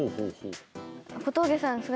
小峠さん。